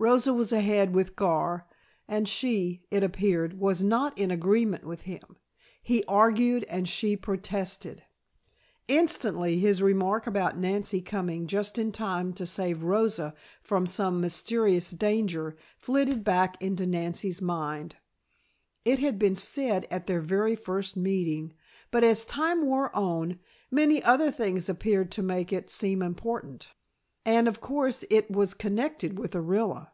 Rosa was ahead with Gar and she, it appeared, was not in agreement with him. He argued and she protested. Instantly his remark about Nancy coming just in time to save Rosa from some mysterious danger, flitted back into Nancy's mind. It had been said at their very first meeting, but as time wore on, many other things appeared to make it seem important, and, of course, it was connected with Orilla.